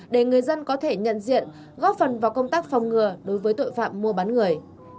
để người dân có thể nhận diện góp phần vào công tác phòng ngừa đối với tội phạm mua bán người